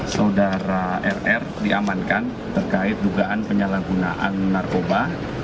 saudara rr diamankan terkait dugaan penyalahgunaan narkoba